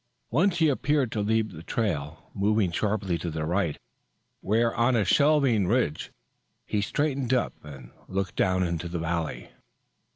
Once he appeared to leave the trail, moving sharply to the right, where on a shelving ridge, he straightened up and looked down into the valley.